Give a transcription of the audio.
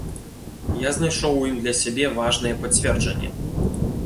Я знайшоў у ім для сябе важнае пацверджанне.